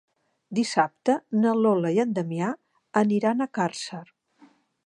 Dissabte na Lola i en Damià aniran a Càrcer.